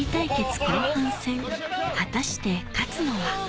果たして勝つのは？